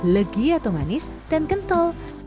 legi atau manis dan kental